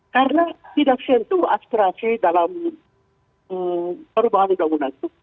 karena tidak sentuh aspirasi dalam perubahan undang undang itu